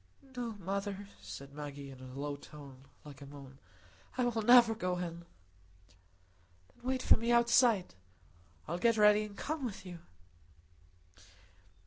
"No, mother," said Maggie, in a low tone, like a moan. "I will never go in." "Then wait for me outside. I'll get ready and come with you."